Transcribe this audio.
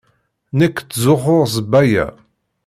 Nekk ttzuxxuɣ s Baya.